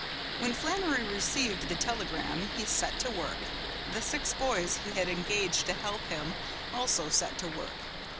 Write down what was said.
When Flannery received the telegram he set to work. The six boys he had engaged to help him also set to work.